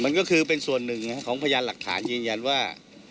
มันก็คือเป็นส่วนหนึ่งของพยานหลักฐานยืนยันว่า